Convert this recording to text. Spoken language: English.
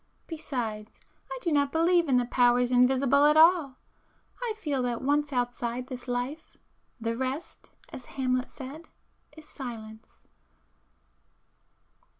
Besides I do not believe in the powers invisible at all,—I feel that once outside this life, 'the rest' as Hamlet said 'is silence.